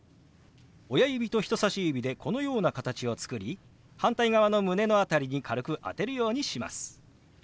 親指と人さし指でこのような形を作り反対側の胸の辺りに軽く当てるようにします。